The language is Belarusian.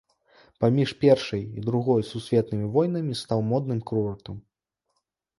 Паміж першай і другой сусветнымі войнамі стаў модным курортам.